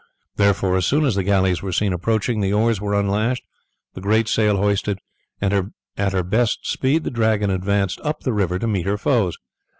Therefore as soon as the galleys were seen approaching the oars were unlashed, the great sail hoisted, and at her best speed the Dragon advanced up the river to meet her foes.